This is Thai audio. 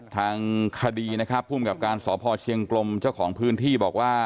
ทางคดีนะครับภูมิกับการสพเชียงกลมเจ้าของพื้นที่บอกว่า